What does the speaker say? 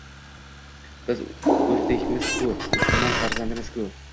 Biz o‘zbekmiz-ku, musulmon farzandimiz-ku?